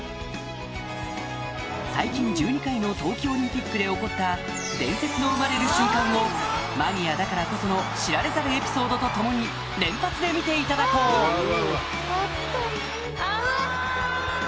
最近１２回の冬季オリンピックで起こったをマニアだからこその知られざるエピソードとともに連発で見ていただこううわ！